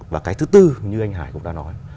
và cái thứ tư như anh hải cũng đã nói